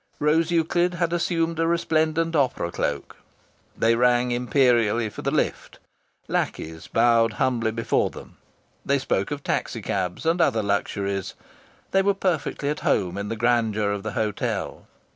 Rose Euclid had assumed a resplendent opera cloak. They rang imperially for the lift. Lackeys bowed humbly before them. They spoke of taxi cabs and other luxuries. They were perfectly at home in the grandeur of the hotel.